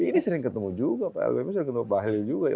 ini sering ketemu juga pak lbp sering ketemu bahlil juga ya